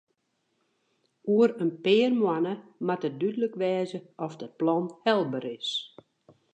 Oer in pear moanne moat dúdlik wêze oft it plan helber is.